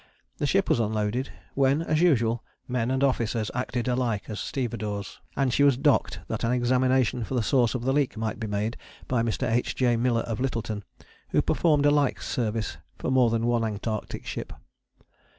The ship was unloaded, when, as usual, men and officers acted alike as stevedores, and she was docked, that an examination for the source of the leak might be made by Mr. H. J. Miller of Lyttelton, who has performed a like service for more than one Antarctic ship.